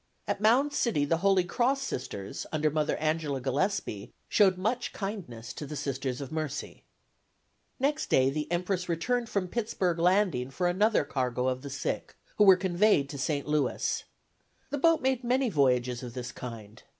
At Mound City the Holy Cross Sisters, under Mother Angela Gillespie, showed much kindness to the Sisters of Mercy. Next day the "Empress" returned to Pittsburg Landing for another cargo of the sick, who were conveyed to St. Louis. The boat made many voyages of this kind.